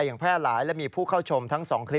ดิฉันชอบเก้าอี้มหาศจรรย์และกระจกร้านของฉัน